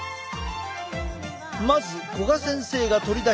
まず古閑先生が取り出したのが。